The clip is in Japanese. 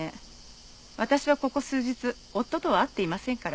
私はここ数日夫とは会っていませんから。